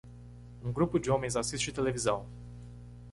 Um grupo de homens assiste televisão.